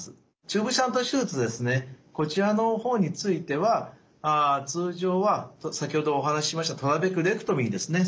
チューブシャント手術ですねこちらの方については通常は先ほどお話ししましたトラベクレクトミーですね